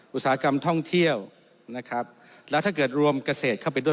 อุตสาหกรรมท่องเที่ยวนะครับแล้วถ้าเกิดรวมเกษตรเข้าไปด้วย